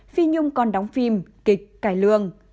phi nhung còn đóng phim kịch cài lương